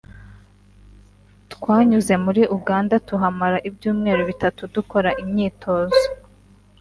twanyuze muri Uganda tuhamara ibyumweru bitatu dukora imyitozo